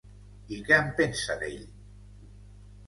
I què en pensa d’ell?